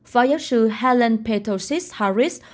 phó giáo sư helen petrosis harris